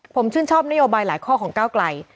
ผมชื่นชอบนโยบายหลายข้อของก้าวไกล